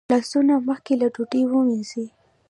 لاسونه مخکې له ډوډۍ ووینځئ